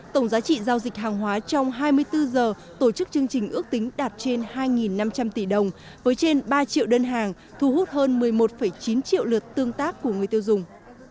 tổng giá trị giao dịch hàng hóa trong hai mươi bốn giờ tổ chức chương trình ước tính đạt trên hai năm trăm linh tỷ đồng với trên ba triệu đơn hàng thu hút hơn một mươi một chín triệu lượt tương tác của người tiêu dùng